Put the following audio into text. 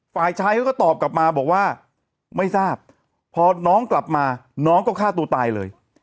ฝ่ายชายเขาก็ตอบกลับมาบอกว่าไม่ทราบพอน้องกลับมาน้องก็ฆ่าตัวตายเลย